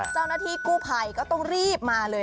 เจ้าหน้าที่กู้ภัยก็ต้องรีบมาเลย